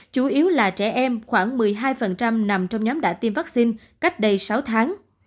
chủ yếu là trẻ em khoảng một mươi hai nằm trong nhóm đã tiêm vaccine cách đây sáu tháng